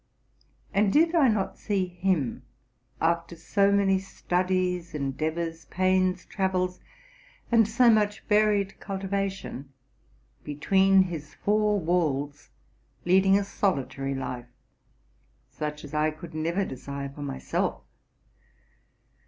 And did I not see him, after so many studies, endeavors, pains, travels, and so much varied cultivation, between his four walls, lead ing a solitary life, such as I could never desire for myself?